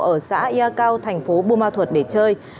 ở xã ia cao thành phố bùa ma thuật để chơi